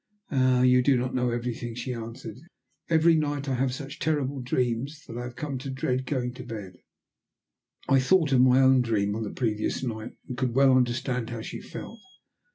"Ah! you do not know everything," she answered. "Every night I have such terrible dreams that I have come to dread going to bed." I thought of my own dream on the previous night, and could well understand how she felt.